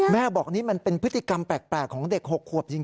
บอกนี่มันเป็นพฤติกรรมแปลกของเด็ก๖ขวบจริง